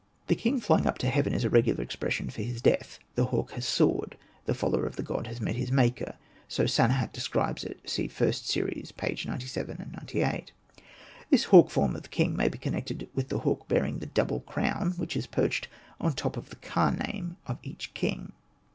The king flying up to heaven is a regular expression for his death :'' the hawk has soared,'' '' the follower of the god has met his maker,'' so Sanehat describes it (see ist series, pp. 97, 98). This hawk form of the king may be con nected with the hawk bearing the double crown which is perched on the top of the ka name of each king.